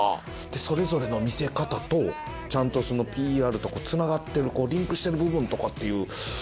それぞれの見せ方とちゃんとそのＰＲとつながってるリンクしてる部分も。